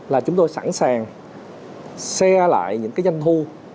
là chúng tôi sẵn sàng xe lại những cái doanh thu